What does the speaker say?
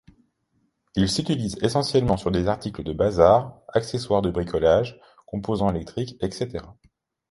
Il s'utilise essentiellement sur des articles de bazar, accessoires de bricolage, composants électriques, etc.